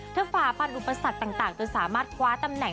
ฝ่าฟันอุปสรรคต่างจนสามารถคว้าตำแหน่ง